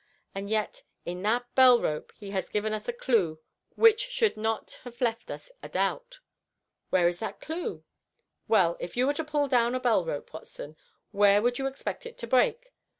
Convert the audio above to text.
And yet in that bell rope he has given us a clue which should not have left us a doubt." "Where was the clue?" "Well, if you were to pull down a bell rope, Watson, where would you expect it to break?